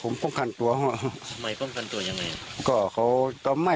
ผมป้องกันตัวเขาทำไมป้องกันตัวยังไง